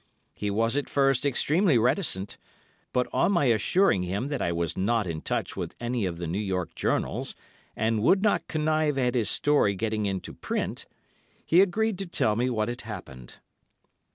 He was at first extremely reticent, but on my assuring him that I was not in touch with any of the New York journals, and would not connive at his story getting into print, he agreed to tell me what had happened.